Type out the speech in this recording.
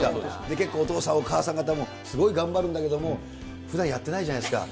結構、お父さん、お母さん方もすごい頑張るんだけど、ふだんやってないじゃないですか。